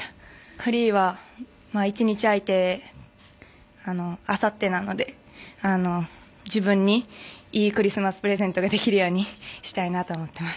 フリーは１日空いてあさってなので自分にいいクリスマスプレゼントができるようにしたいと思っています。